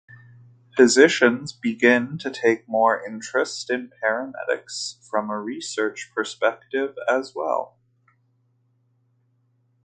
Physicians began to take more interest in paramedics from a research perspective as well.